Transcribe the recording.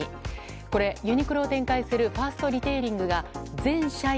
これ、ユニクロを展開するファーストリテイリングが全社員